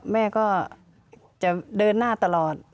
แม่ก็จะเดินหน้าตลอด